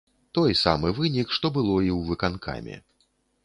Той самы вынік, што было і ў выканкаме.